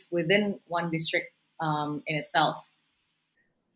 di dalam satu distrik sendiri